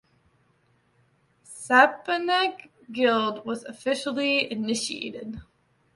Stepanek Guild was officially initiated.